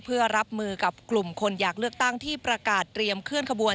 เพื่อรับมือกับกลุ่มคนอยากเลือกตั้งที่ประกาศเตรียมเคลื่อนขบวน